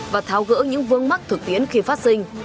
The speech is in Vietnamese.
và tháo gỡ những vương mắc thực tiễn khi phát sinh